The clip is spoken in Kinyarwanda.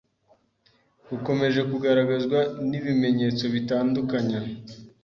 rukomeje kugaragazwa n’ibimenyetso bitandukanya